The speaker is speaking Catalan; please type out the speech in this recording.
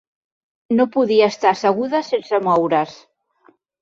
No podia estar asseguda sense moure's.